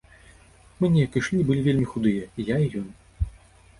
Мы неяк ішлі, і былі вельмі худыя, і я, і ён.